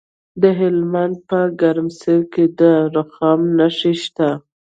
د هلمند په ګرمسیر کې د رخام نښې شته.